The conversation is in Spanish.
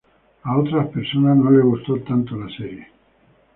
A otras personas no les gustó tanto la serie.